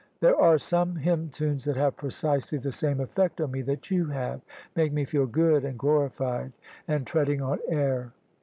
There are some hymn tunes that have precisely the same effect on me that you have; make me feel good and glorified and treading on air."